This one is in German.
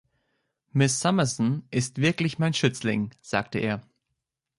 „Miss Summerson ist wirklich mein Schützling“, sagte er.